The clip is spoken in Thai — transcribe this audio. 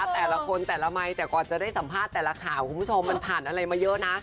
แต่ละคนแต่ละไมค์แต่ก่อนจะได้สัมภาษณ์แต่ละข่าวคุณผู้ชมมันผ่านอะไรมาเยอะนะ